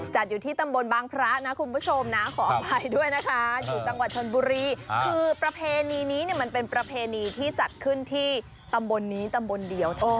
อยู่ที่ตำบลบางพระนะคุณผู้ชมนะขออภัยด้วยนะคะอยู่จังหวัดชนบุรีคือประเพณีนี้เนี่ยมันเป็นประเพณีที่จัดขึ้นที่ตำบลนี้ตำบลเดียวเท่านั้น